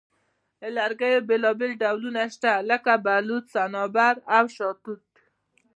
د لرګیو بیلابیل ډولونه شته، لکه بلوط، صنوبر، او شاهتوت.